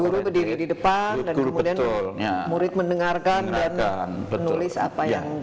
guru berdiri di depan dan kemudian murid mendengarkan dan menulis apa yang di